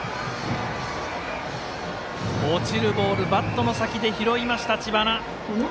落ちるボール、バットの先で拾いました、知花。